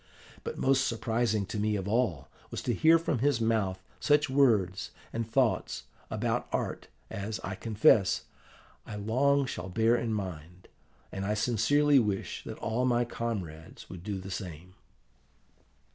But most surprising to me of all was to hear from his mouth such words and thoughts about art as, I confess, I long shall bear in mind, and I sincerely wish that all my comrades would do the same.